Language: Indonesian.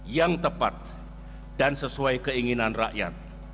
yang tepat dan sesuai keinginan rakyat